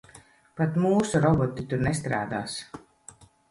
Pat mūsu roboti tur nestrādās.